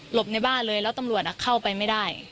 บในบ้านเลยแล้วตำรวจเข้าไปไม่ได้